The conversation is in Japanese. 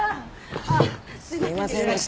あっすいませんでした。